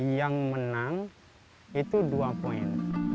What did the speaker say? yang menang itu dua poin